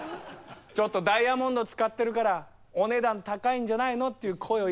ちょっとダイヤモンド使ってるからお値段高いんじゃないの？っていう声を頂きまして今。